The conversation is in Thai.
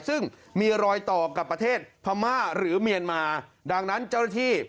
ซึ่งมีรอยต่อกับประเทศพม่าหรือเมียนมาดังนั้นเจ้าหน้าที่